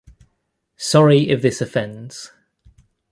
Sorry if this offends.